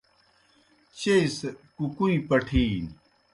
چیئی سہ کُکُوئیں پٹِھینیْ۔